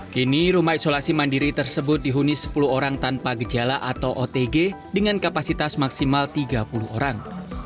kini rumah isolasi mandiri tersebut dihuni sepuluh orang tanpa gejala atau otg dengan kapasitas maksimal tiga puluh orang